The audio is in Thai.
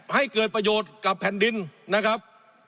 ให้เกิดประโยชน์กับแผ่นดินนะครับ